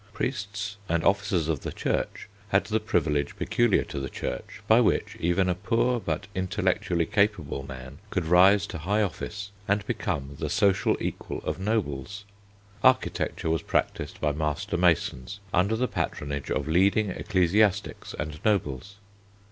Priests and officers of the Church had the privilege peculiar to the Church by which even a poor but intellectually capable man could rise to high office and become the social equal of nobles. Architecture was practised by master masons under the patronage of leading ecclesiastics and nobles.